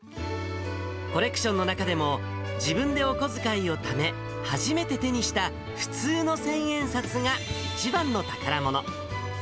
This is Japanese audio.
コレクションの中でも、自分でお小遣いをため、初めて手にした普通の千円札が一番の宝物。